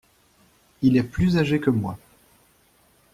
Il est plus âgé que moi.